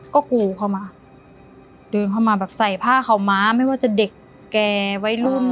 ก็กูเข้ามาเดินเข้ามาแบบใส่ผ้าขาวม้าไม่ว่าจะเด็กแก่วัยรุ่น